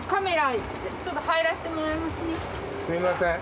すいません。